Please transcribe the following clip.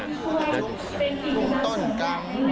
ช่วงต้นกรรม